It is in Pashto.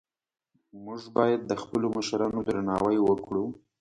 موږ باید د خپلو مشرانو درناوی وکړو